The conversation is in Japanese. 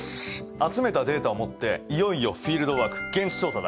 集めたデータを持っていよいよフィールドワーク現地調査だ。